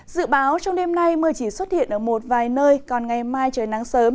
dự báo trong đêm nay mưa chỉ xuất hiện ở một vài nơi còn ngày mai trời nắng sớm